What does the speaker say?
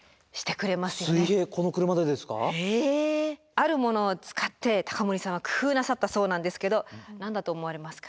あるものを使って高森さんは工夫なさったそうなんですけど何だと思われますか？